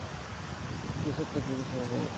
فیصد تبدیلی سال کے اختتام سے ہے